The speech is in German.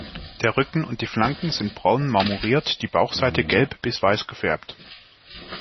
Der Rücken und die Flanken sind braun marmoriert, die Bauchseite gelb bis weiß gefärbt.